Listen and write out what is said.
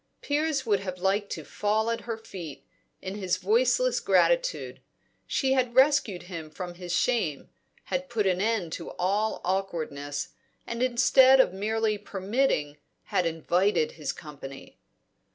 Piers would have liked to fall at her feet, in his voiceless gratitude. She had rescued him from his shame, had put an end to all awkwardness, and, instead of merely permitting, had invited his company.